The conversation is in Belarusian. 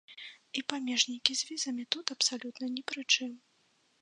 І памежнікі з візамі тут абсалютна ні пры чым!